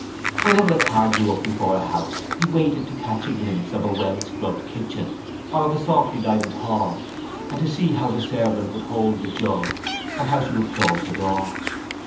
Whenever the car drew up before a house he waited to catch a glimpse of a well scrubbed kitchen or of a softly lighted hall and to see how the servant would hold the jug and how she would close the door.